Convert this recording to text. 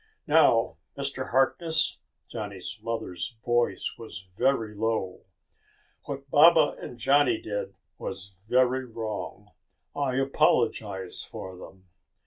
"Now, Mr. Harkness," Johnny's mother's voice was very low, "what Baba and Johnny did was very wrong. I apologize for them.